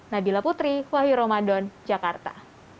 nabila putri wahyu ramadan jakarta